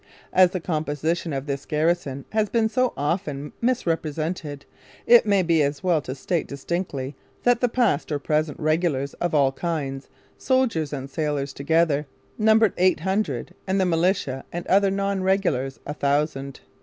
As the composition of this garrison has been so often misrepresented, it may be as well to state distinctly that the past or present regulars of all kinds, soldiers and sailors together, numbered eight hundred and the militia and other non regulars a thousand.